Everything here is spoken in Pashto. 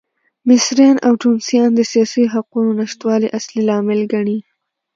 مصریان او ټونسیان د سیاسي حقونو نشتوالی اصلي لامل ګڼي.